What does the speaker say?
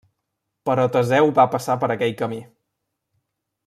Però Teseu va passar per aquell camí.